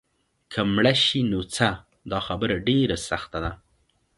که مړه شي نو څه؟ دا خبره ډېره سخته ده.